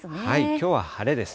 きょうは晴れです。